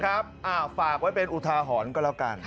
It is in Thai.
ครับฝากไว้เป็นอุทาหอนก็แล้วกัน